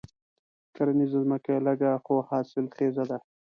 کرنيزه ځمکه یې لږه خو حاصل خېزه ده.